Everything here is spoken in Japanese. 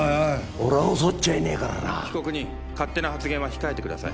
俺は襲っちゃいねえからな被告人勝手な発言は控えてください